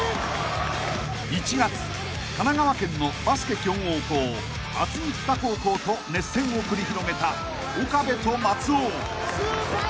［１月神奈川県のバスケ強豪校厚木北高校と熱戦を繰り広げた岡部と松尾］